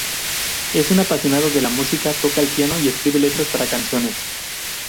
Es un apasionado de la música; toca el piano y escribe letras para canciones.